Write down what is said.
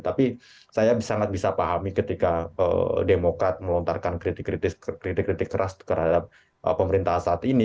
tapi saya sangat bisa pahami ketika demokrat melontarkan kritik kritik keras terhadap pemerintah saat ini